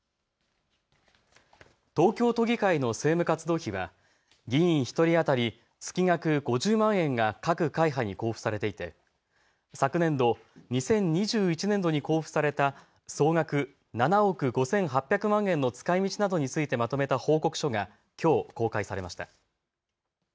東京都議会の政務活動費は議員１人当たり月額５０万円が各会派に交付されていて昨年度、２０２１年度に交付された総額７億５８００万円の使いみちなどについてまとめた報告書がきょう公開されました。